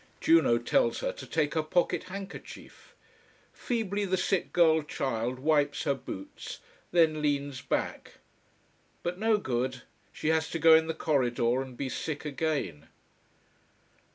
Juno tells her to take her pocket handkerchief. Feebly the sick girl child wipes her boots, then leans back. But no good. She has to go in the corridor and be sick again.